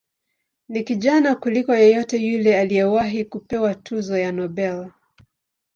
Ni kijana kuliko yeyote yule aliyewahi kupewa tuzo ya Nobel.